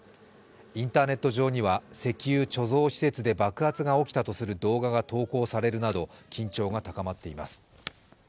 インターネット上には、石油貯蔵施設で爆発が起きたとする動画が投稿されるなど緊張が高まっています。